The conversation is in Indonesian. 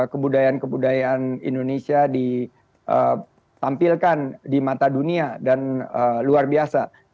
kebudayaan kebudayaan indonesia ditampilkan di mata dunia dan luar biasa